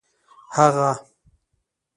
هغه